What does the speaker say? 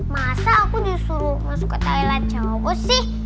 masa aku disuruh masuk ke toilet cowok sih